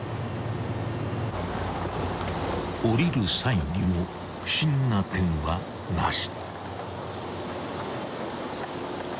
［降りる際にも不審な点はなし］